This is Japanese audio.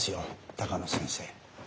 鷹野先生。